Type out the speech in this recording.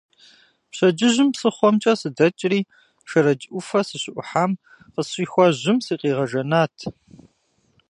Пщэдджыжьым псыхъуэмкӏэ сыдэкӏри Шэрэдж ӏуфэ сыщыӏухьам къысщӏихуа жьым сыкъигъэжэнат.